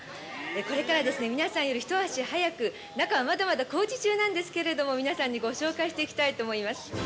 これから皆さんより一足先に、中はまだまだ工事中なんですけれども皆さんにご紹介していきたいと思います。